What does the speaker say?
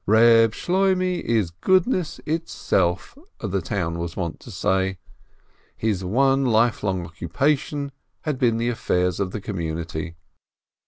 "Reb Shloimeh is goodness itself," the town was wont to say. His one lifelong occupation had been the affairs of the community.